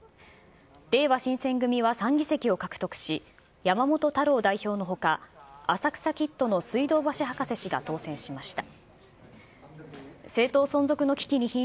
れいわ新選組は３議席を獲得し、山本太郎代表のほか、浅草キッドの水道橋博士氏が当選しました。